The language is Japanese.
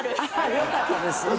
よかったです。